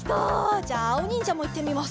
じゃあおにんじゃもいってみます。